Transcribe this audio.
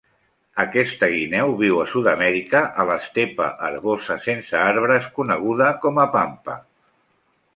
Aquesta guineu viu a Sud-amèrica, a l'estepa herbosa sense arbres coneguda com a pampa.